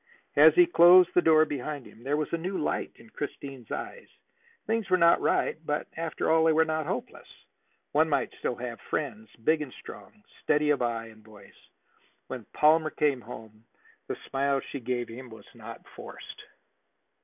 As he closed the door behind him, there was a new light in Christine's eyes. Things were not right, but, after all, they were not hopeless. One might still have friends, big and strong, steady of eye and voice. When Palmer came home, the smile she gave him was not forced.